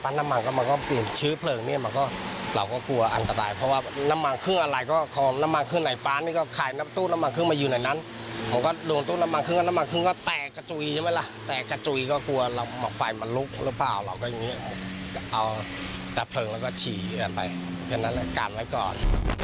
ดับเพลิงแล้วก็ฉี่กันไปอย่างนั้นการไว้ก่อน